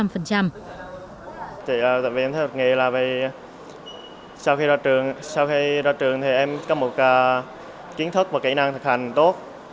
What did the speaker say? vì em thích học nghề là vì sau khi ra trường thì em có một kiến thức và kỹ năng thực hành tốt